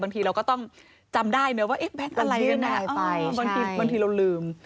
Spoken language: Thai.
บางทีเราก็ต้องจำได้นะว่าแบงค์อะไรบางทีเราลืม